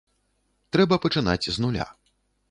Трэба пачынаць з нуля.